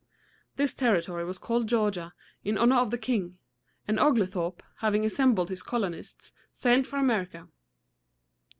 This territory was called Georgia, in honor of the king; and Oglethorpe, having assembled his colonists, sailed for America.